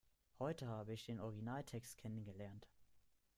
Heute habe ich den Originaltext kennengelernt.